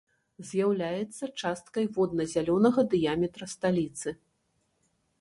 З'яўляецца часткай водна-зялёнага дыяметра сталіцы.